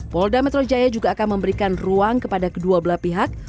polda metro jaya juga akan memberikan ruang kepada kedua belah pihak